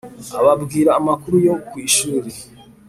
ababwira amakuru yo ku ishuri